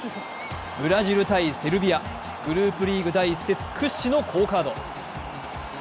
ブラジル×セルビア、グループリーグ第１節屈指の好カード。